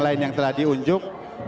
lain yang telah diunjukkan